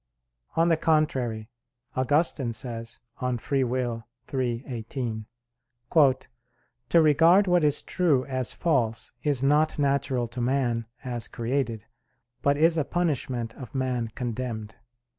On the contrary, Augustine says (De Lib. Arb. iii, 18): "To regard what is true as false, is not natural to man as created; but is a punishment of man condemned."